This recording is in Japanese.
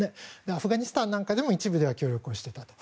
アフガニスタンなんかでも一部では協力をしていたと。